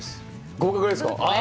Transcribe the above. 合格ですか！？